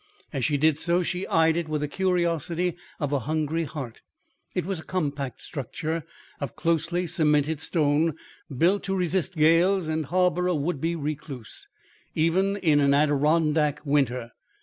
As she did so, she eyed it with the curiosity of a hungry heart. It was a compact structure of closely cemented stone, built to resist gales and harbour a would be recluse, even in an Adirondack winter.